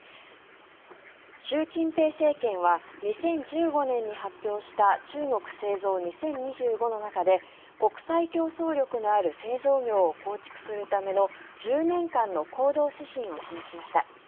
習近平政権は２０１５年に発表した中国製造２０２５の中で国際競争力のある製造業を構築するための１０年間の行動指針を示しました。